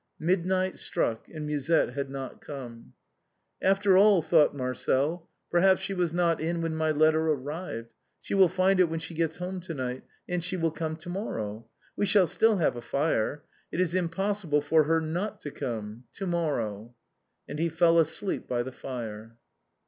Midnight struck, and Musette had not come. " After all/' thought Marcel, " perhaps she was not in when my letter arrived. She will find it when she gets home to night, and she will come to morrow. We shall still have a fire. It is impossible for her not to come. To morrow." And he fell asleep by the fire.